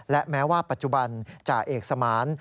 และแม้ว่าปัจจุบันจ่าเอกสมาน